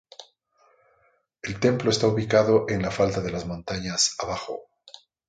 El templo está ubicado en la falda de las Montañas Abajo.